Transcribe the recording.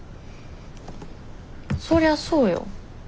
そりゃあそうよ。